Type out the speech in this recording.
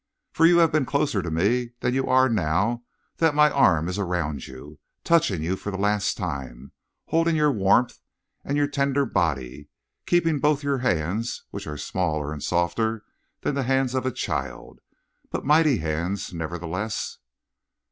For you have been closer to me than you are now that my arm is around you, touching you for the last time, holding your warmth and your tender body, keeping both your hands, which are smaller and softer than the hands of a child. But mighty hands, nevertheless.